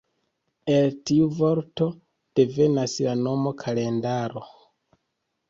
El tiu vorto devenas la nomo “kalendaro”.